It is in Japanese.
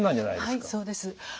はいそうです。